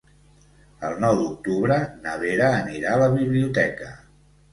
El nou d'octubre na Vera anirà a la biblioteca.